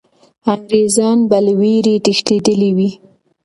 انګریزان به له ویرې تښتېدلي وي.